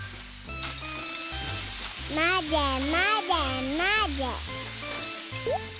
まぜまぜまぜ。